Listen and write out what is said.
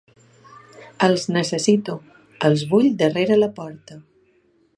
Els necessito, els vull darrere la porta.